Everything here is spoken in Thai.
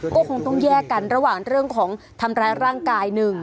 ก็คงต้องแยกกันระหว่างเรื่องของทำร้ายร่างกายหนึ่ง